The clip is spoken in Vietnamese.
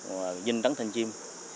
vinh đắn thanh chiêm